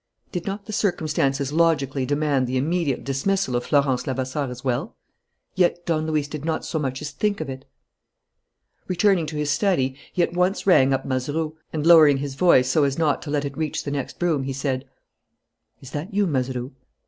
Did not the circumstances logically demand the immediate dismissal of Florence Levasseur as well? Yet Don Luis did not so much as think of it. Returning to his study, he at once rang up Mazeroux and, lowering his voice so as not to let it reach the next room, he said: "Is that you, Mazeroux?"